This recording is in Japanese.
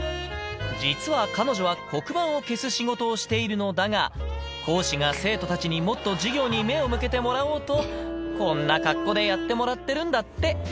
実は彼女は黒板を消す仕事をしているのだが、講師が生徒たちにもっと授業に目を向けてもらおうと、こんな格好でやってもらってるんだって。